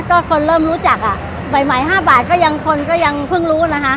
ก็คนเริ่มรู้จักอ่ะใหม่๕บาทก็ยังคนก็ยังเพิ่งรู้นะคะ